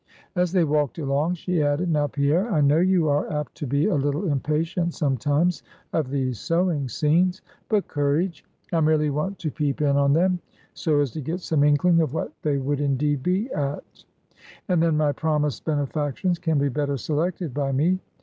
As they walked along, she added "Now, Pierre, I know you are apt to be a little impatient sometimes, of these sewing scenes; but courage; I merely want to peep in on them; so as to get some inkling of what they would indeed be at; and then my promised benefactions can be better selected by me.